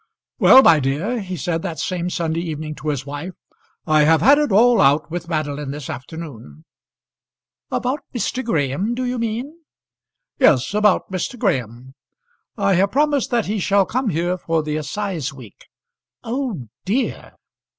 "Well, my dear," he said that same Sunday evening to his wife, "I have had it all out with Madeline this afternoon." "About Mr. Graham, do you mean?" "Yes; about Mr. Graham. I have promised that he shall come here for the assize week." "Oh, dear!"